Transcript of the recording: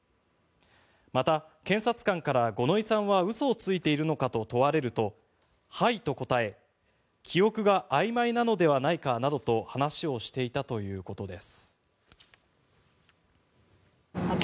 また、検察官から五ノ井さんは嘘をついているのかと問われるとはいと答え記憶があいまいなのではないかなどと話をしていたということです。